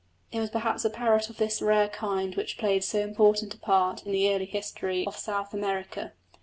It was perhaps a parrot of this rare kind which played so important a part in the early history of South America.